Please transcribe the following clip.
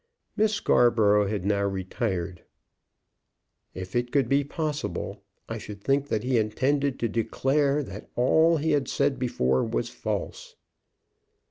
Miss Scarborough had now retired. "If it could be possible, I should think that he intended to declare that all he had said before was false."